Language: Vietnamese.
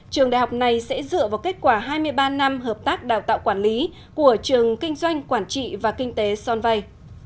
trường đại học này sẽ dựa vào kết quả hai mươi ba năm hợp tác đào tạo quản lý của trường kinh doanh quản trị và kinh tế sonvay